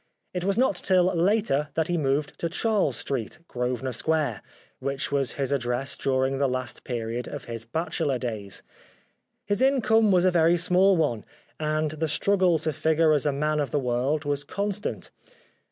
It was not till later that he moved to Charles Street, Grosvenor Square, which was his address during the last period of his bachelor days. His income was a very small one, and the struggle to figure as a man of the world was constant.